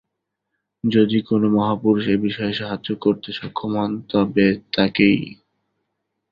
যদি কোন মহাপুরুষ এ-বিষয়ে সাহায্য করতে সক্ষম হন, তবে তাঁকেই পূজা কর।